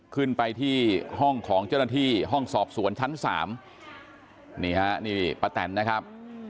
ขึ้นไปที่ห้องของเจ้าหน้าที่ห้องสอบสวนชั้นสามนี่ฮะนี่ป้าแตนนะครับ